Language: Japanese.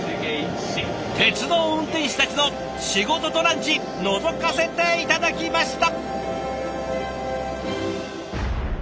鉄道運転士たちの仕事とランチのぞかせて頂きました。